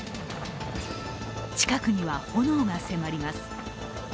近くには炎が迫ります。